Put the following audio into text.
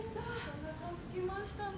・おなかすきましたね。